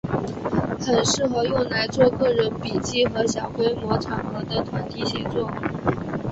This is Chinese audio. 很适合用来做个人笔记和小规模场合的团体写作。